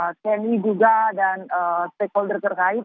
pemerintah bersama dengan cmi juga dan stakeholder terkait